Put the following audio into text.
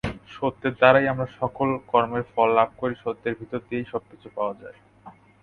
সত্যের দ্বারাই আমরা কর্মের ফল লাভ করি, সত্যের ভিতর দিয়াই সবকিছু পাওয়া যায়।